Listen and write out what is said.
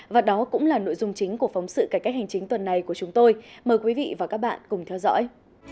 và đó cũng là nội dung chính của phóng sự cải cách hành chính tuần này của chúng tôi mời quý vị và các bạn cùng theo dõi